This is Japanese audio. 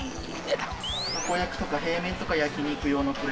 たこ焼きとか平面とか焼き肉用のプレート。